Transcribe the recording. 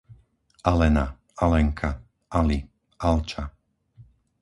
Alena, Alenka, Ali, Alča